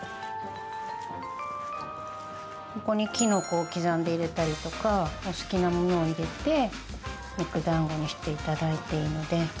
ここにきのこを刻んで入れたりとかお好きなものを入れて肉だんごにして頂いていいので。